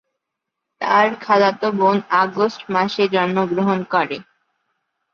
তার খালাতো বোন আগস্ট মাসে জন্মগ্রহণ করে।